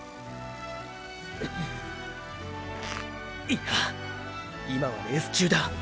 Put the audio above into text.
いや今はレース中だ。